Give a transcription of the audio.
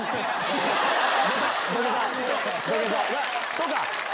そうか！